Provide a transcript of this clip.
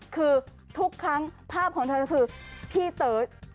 คือทุกครั้งภาพของเธอก็คือพี่เต๋อ